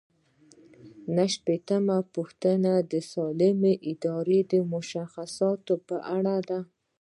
نهه ویشتمه پوښتنه د سالمې ادارې د مشخصاتو په اړه ده.